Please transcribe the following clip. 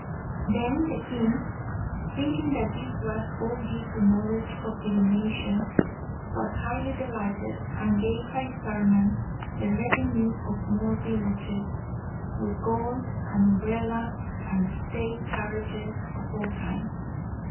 Then the king, thinking that this was all due to knowledge of divination, was highly delighted, and gave Harisarman the revenue of more villages, with gold, an umbrella, and state carriages of all kinds.